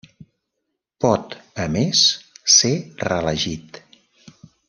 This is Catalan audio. Pot, a més, ser reelegit.